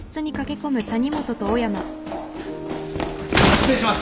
失礼します！